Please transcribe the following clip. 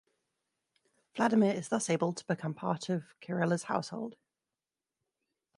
Vladimir is thus able to become part of Kyrilla's household.